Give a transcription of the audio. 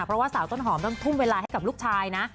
เพราะว่าสาวต้นหอมต้องทุ่มเวลาให้กับลูกชายนะ